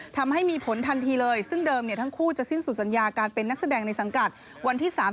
ทำให้มีผลทันทีเลยซึ่งเดิมทั้งคู่จะสิ้นสุดสัญญาการเป็นนักแสดงในสังกัดวันที่๓๐